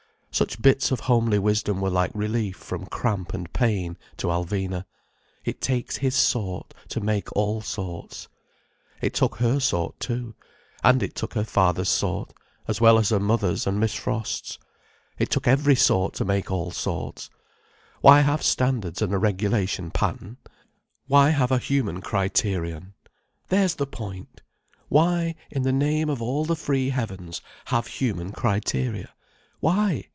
Such bits of homely wisdom were like relief from cramp and pain, to Alvina. "It takes his sort to make all sorts." It took her sort too. And it took her father's sort—as well as her mother's and Miss Frost's. It took every sort to make all sorts. Why have standards and a regulation pattern? Why have a human criterion? There's the point! Why, in the name of all the free heavens, have human criteria? Why?